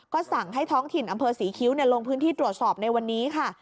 ก็สั่งให้ท้องถิ่นอำเภอศรีคิ้วลงพื้นที่ตรวจสอบในวันนี้ค่ะ